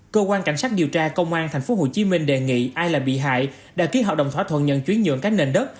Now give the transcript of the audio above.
cơ quan cảnh sát điều tra công an tp hcm đề nghị ai là bị hại đã ký hợp đồng thỏa thuận nhận chuyển nhượng các nền đất